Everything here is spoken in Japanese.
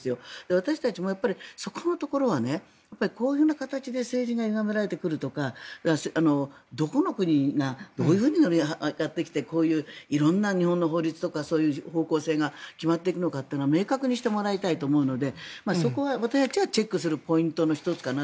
私たちも、そこのところはこういう形で政治がゆがめられてくるとかどこの国がどういうふうにやってきてこういう色んな日本の法律とか方向性が決まっていくのかというのを明確にしてもらいたいと思うのでそこは私たちはチェックするポイントの１つかなと。